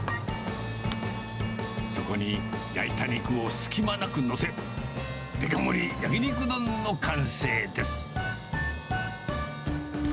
そこに焼いた肉を隙間なく載せ、デカ盛り焼肉丼の完成です。